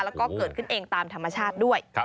แล้วก็เกิดขึ้นเองตามธรรมชาติด้วย